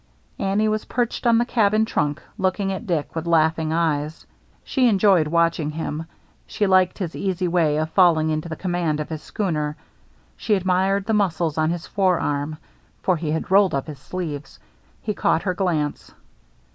*' Annie was perched on the cabin trunk, look ing at Dick with laughing eyes. She enjoyed watching him, she liked his easy way of falling into the command of his schooner, she admired the muscles on his forearm (for he had rolled up his sleeves). He caught her glance.